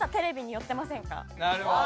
なるほど。